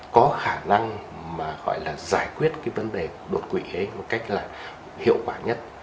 có khả năng mà gọi là giải quyết cái vấn đề đột quỵ một cách là hiệu quả nhất